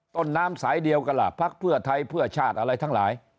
ต้นน้ำสายเดียวกันล่ะพักเพื่อไทยเพื่อชาติอะไรทั้งหลาย